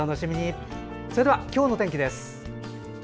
それでは今日の天気です。